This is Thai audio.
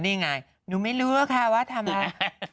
เธอนี่ไงหนูไม่รู้ว่าทำไม